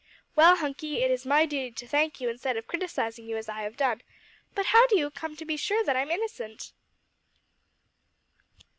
"Well, Hunky, it is my duty to thank you instead of criticising you as I have done, but how do you come to be so sure that I'm innocent?"